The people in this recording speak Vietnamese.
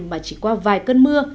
mà chỉ qua vài cơn mưa